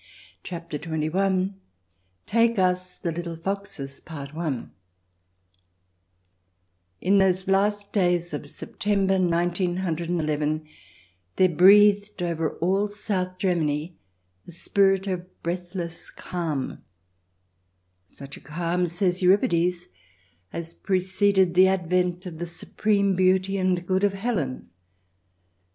CHAPTER XXI "TAKE US THE LITTLE FOXES" In those last days of September, nineteen hundred and eleven, there breathed over all South Germany a spirit of breathless calm — such a calm, says Euripides, as preceded the advent of the supreme beauty and good of Helen.